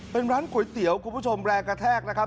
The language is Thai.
เป็นร้านก๋วยเตี๋ยวคุณผู้ชมแรงกระแทกนะครับ